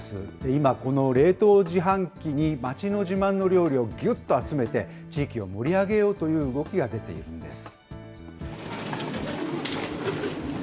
今、この冷凍自販機に街の自慢の料理をぎゅっと集めて、地域を盛り上げようという動きが出ているんです。